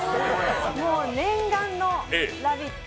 もう念願の「ラヴィット！」